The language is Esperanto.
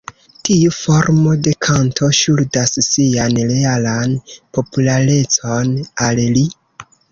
Tiu formo de kanto ŝuldas sian realan popularecon al li.